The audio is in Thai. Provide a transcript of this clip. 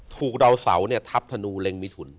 ถูกดาวเต่าธนูย์เห็นมิถุ